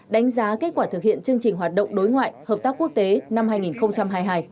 đánh giá kết quả thực hiện chương trình hoạt động đối ngoại hợp tác quốc tế năm hai nghìn hai mươi hai